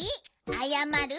あやまる？